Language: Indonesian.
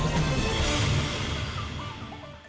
jangan lupa untuk berlangganan